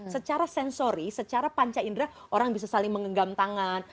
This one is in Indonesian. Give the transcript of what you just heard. secara sensori secara panca indera orang bisa saling mengenggam tangan